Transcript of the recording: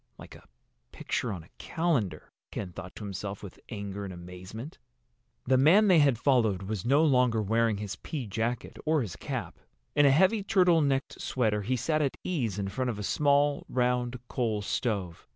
"Like a picture on a calendar," Ken thought to himself with anger and amazement. The man they had followed was no longer wearing his pea jacket or his cap. In a heavy turtle necked sweater he sat at ease in front of a small, round coal stove.